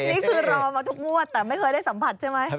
นี่คือรอมาทุกงวดแต่ไม่เคยได้สัมผัสใช่ไหม